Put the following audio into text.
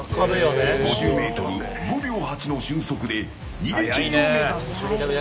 ５０ｍ５秒８の俊足で逃げ切りを目指す。